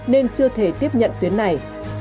nên chưa thể tiếp nhận tuyến này